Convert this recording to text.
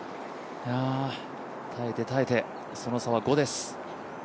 耐えて耐えて、その差は５です。